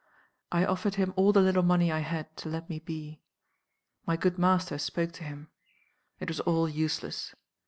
I offered him all the little money I had, to let me be. My good master spoke to him. It was all useless.